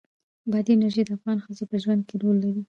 بادي انرژي د افغان ښځو په ژوند کې رول لري.